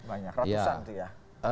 banyak ratusan itu ya